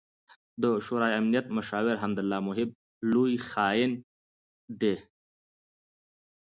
، د شورای امنیت مشاور حمد الله محب